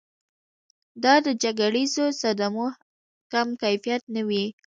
دا د جګړیزو صدمو کم کیفیت نه وي.